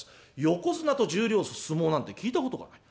横綱と十両で相撲なんて聞いたことがない。